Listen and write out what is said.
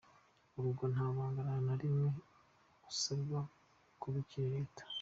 Uregwa nta banga na rimwe asabwa kubikira Leta.